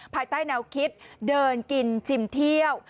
ภายใต้แนวคิดเดินกินจิมเที่ยว